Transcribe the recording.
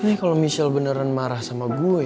ini kalo michelle beneran marah sama gue